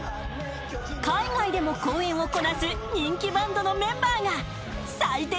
海外でも公演をこなす人気バンドのメンバーが採点